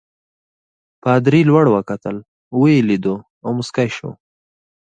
پادري لوړ وکتل ویې لیدو او مسکی شو.